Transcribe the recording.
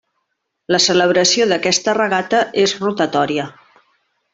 La celebració d'aquesta regata és rotatòria.